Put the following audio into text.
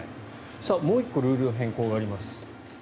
もう１個ルールの変更があります。